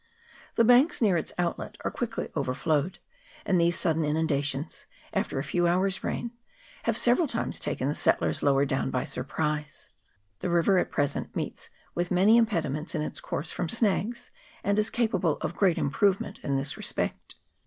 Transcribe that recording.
The banks near its outlet are quickly overflowed ; and these sudden inundations, after a few hours' rain, have several times taken the settlers lower down by surprise. The river at present meets with many impediments in its course from snags, and is capable of great improvement in this respect.